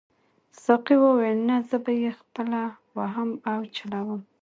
ساقي وویل نه زه به یې خپله وهم او چلاوم.